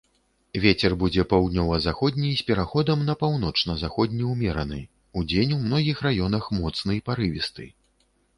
Вецер будзе паўднёва-заходні з пераходам на паўночна-заходні ўмераны, удзень у многіх раёнах моцны парывісты.